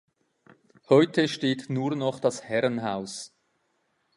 Heute steht nur noch das Herrenhaus.